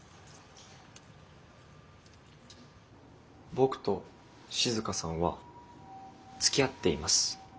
僕と静さんはつきあっています。